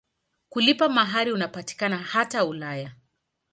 Kulipa mahari unapatikana hata Ulaya.